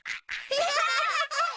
アハハハハ！